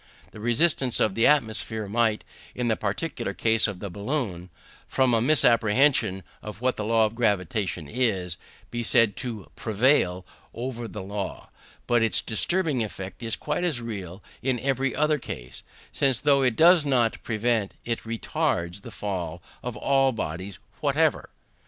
The resistance of the atmosphere might, in the particular case of the balloon, from a misapprehension of what the law of gravitation is, be said to prevail over the law; but its disturbing effect is quite as real in every other case, since though it does not prevent, it retards the fall of all bodies whatever.